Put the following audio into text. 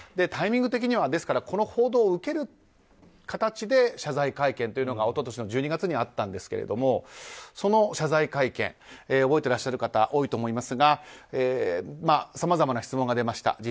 タイミング的には、ですからこの報道を受ける形で謝罪会見というのが一昨年の１２月にあったんですがその謝罪会見覚えていらっしゃる方多いと思いますがさまざまな質問が出ました。